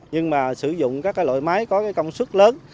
nhưng mà sử dụng các loại máy có công suất lớn